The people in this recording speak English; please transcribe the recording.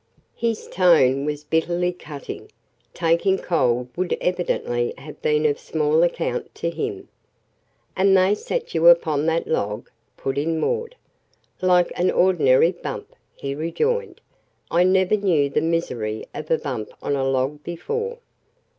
His tone was bitterly cutting; taking cold would evidently have been of small account to him. "And they sat you upon that log?" put in Maud. "Like any ordinary bump," he rejoined. "I never knew the misery of a bump on a log before."